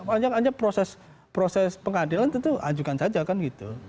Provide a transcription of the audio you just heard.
ancak ancak proses proses pengadilan tentu ajukan saja kan gitu